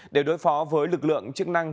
để đối phó với lực lượng chức năng